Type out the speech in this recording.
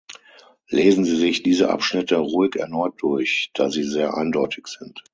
Lesen Sie sich diese Abschnitte ruhig erneut durch, da sie sehr eindeutig sind.